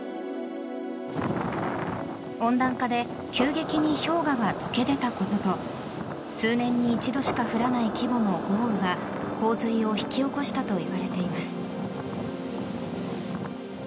温暖化で急激に氷河が解け出たことと数年に一度しか降らない規模の豪雨が洪水を引き起こしたといわれています。